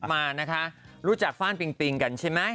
มานะคะรู้จักฟ่านปิงปิงกันใช่ไหม